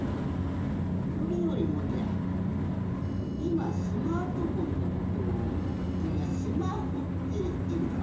それよりもじゃいまスマートフォンのことをみんな「スマホ」っていうじゃろ。